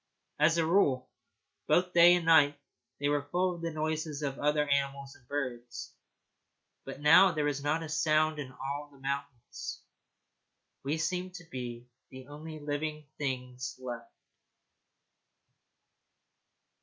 As a rule, both day and night, they were full of the noises of other animals and birds, but now there was not a sound in all the mountains. We seemed to be the only living things left.